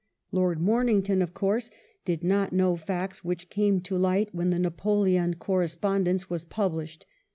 Lord Momington, of course, did not know facts which came to light when the Napoleon Correspondence was published.